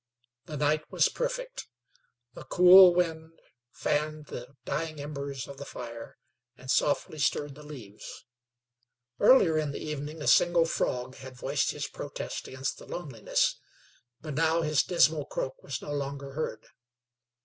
The night was perfect. A cool wind fanned the dying embers of the fire and softly stirred the leaves. Earlier in the evening a single frog had voiced his protest against the loneliness; but now his dismal croak was no longer heard.